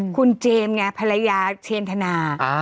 คุณเจมส์ไงภรรยาเชนธนา